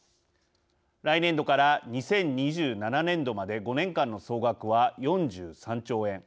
来年度から２０２７年度まで５年間の総額は４３兆円。